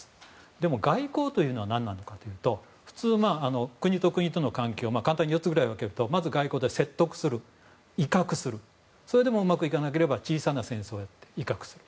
でも、外交というのは何なのかというと普通、国と国との関係を簡単に４つぐらいに分けるとまず説得する、威嚇するそれでもうまくいかなければ小さな戦争をやって威嚇する。